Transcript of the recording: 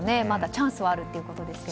まだチャンスはあると。